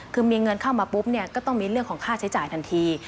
คือมีเงินเข้ามาปุ๊บเนี่ยก็ต้องมีเรื่องของค่าใช้จ่ายทันที